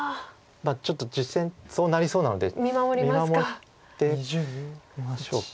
ちょっと実戦そうなりそうなので見守ってみましょうか。